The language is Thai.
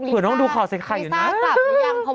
เผื่อน้องดูข่อเสกไข่หรือนั้น